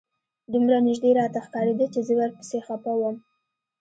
دومره نژدې راته ښکارېده چې زه ورپسې خپه وم.